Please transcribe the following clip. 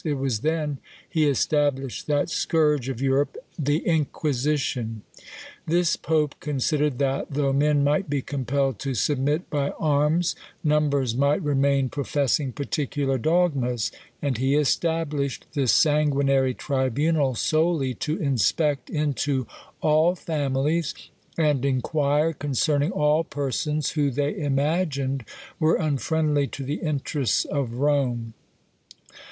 It was then he established that scourge of Europe, THE INQUISITION. This pope considered that, though men might be compelled to submit by arms, numbers might remain professing particular dogmas; and he established this sanguinary tribunal solely to inspect into all families, and INQUIRE concerning all persons who they imagined were unfriendly to the interests of Rome.